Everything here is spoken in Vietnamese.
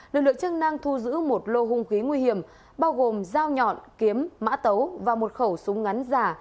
lực lượng chức năng thu giữ một lô hung khí nguy hiểm bao gồm dao nhọn kiếm mã tấu và một khẩu súng ngắn giả